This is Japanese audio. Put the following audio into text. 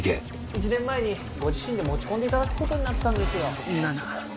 １年前にご自身で持ち込んでいただくことになったんですよそうなの？